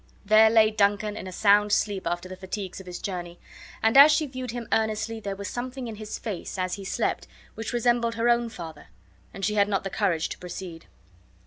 There lay Duncan in a sound sleep after the fatigues of his journey, and as she viewed him earnestly there was something in his face, as he slept, which resembled her own father, and she had not the courage to proceed.